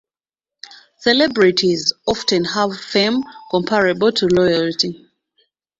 Celebrities often have fame comparable to royalty.